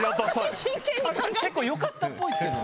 結構よかったっぽいっすけど。